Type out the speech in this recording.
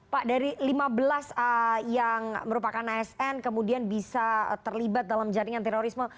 pak dari lima belas yang merupakan asn kemudian bisa terlibat dalam jaringan terorisme